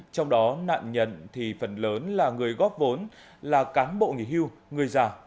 trong đó nạn nhận thì phần lớn là người góp vốn là cán bộ nghỉ hưu người già